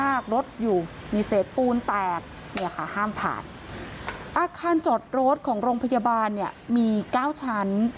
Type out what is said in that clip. อาคารจอดรถของโรงพยาบาลมี๙ชั้น